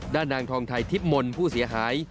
นางทองไทยทิพย์มนต์ผู้เสียหาย